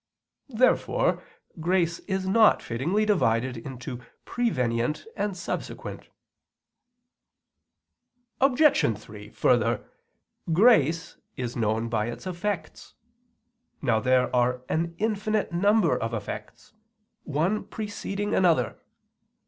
Therefore grace is not fittingly divided into prevenient and subsequent. Obj. 3: Further, grace is known by its effects. Now there are an infinite number of effects one preceding another.